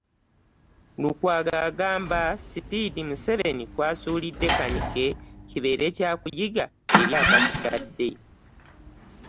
Lukwago agamba sipiidi Museveni kw'asuulidde Kanyike kibeere kya kuyiga eri abasigadde.